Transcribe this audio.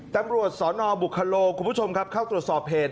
ตำรวจสนบุคโลคุณผู้ชมครับเข้าตรวจสอบเหตุ